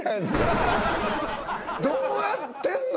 どうやってんの？